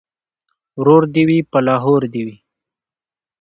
ـ ورور دې وي په لاهور دې وي.